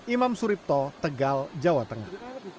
imam suripto tegal jawa tengah